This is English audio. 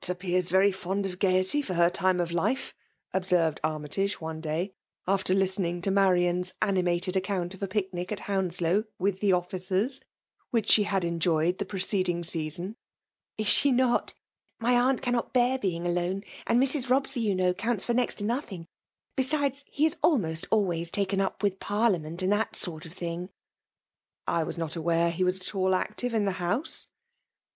*' Vour wmt seems very fond of gaiety, for \xT lime of life^ observed Army tage one day, after liftenins to Maiian*s animated account of apk' mc at Hounslow^ *' witii the officer^" wbicik die hzA enjoyed the preceding season. *' Is fllie not? — iny aunt cannot bear bebg done ; and Mr. Bobsey, you know, counts for next to nothing. Besides, he is almost always taken up with Parliament and that sort of thing." 1 was not aware that he was at aU aetive in the House?